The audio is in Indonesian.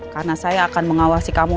karena saya akan mengawasi kamu